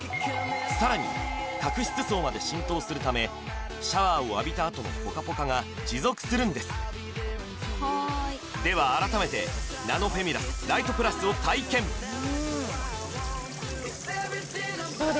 さらに角質層まで浸透するためシャワーを浴びたあとのポカポカが持続するんですでは改めてナノフェミラス・ライトプラスを体験どうですか？